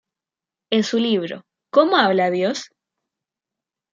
En su libro "¿Cómo habla Dios?